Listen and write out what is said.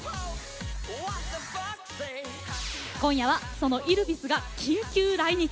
今夜はそのイルヴィスが緊急来日。